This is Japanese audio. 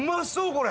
これ。